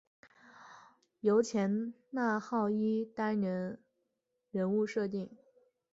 由前纳浩一担任人物设定。